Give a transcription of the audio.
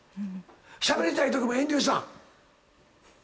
しゃべりたいときも遠慮したん？